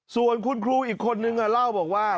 ส่วนคุณครูอีกคนนึงเล่าบอกว่า